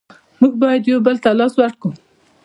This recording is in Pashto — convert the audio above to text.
مونږ باید یو بل ته لاس ورکړو.